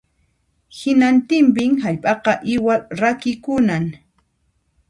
Hinantinpin hallp'aqa iwal rakikunan